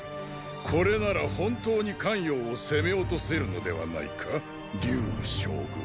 これなら本当に咸陽を攻め落とせるのではないか龍羽将軍。